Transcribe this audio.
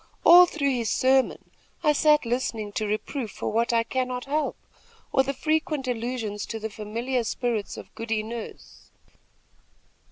All through his sermon, I sat listening to reproof for what I cannot help, or the frequent allusions to the familiar spirits of Goody Nurse."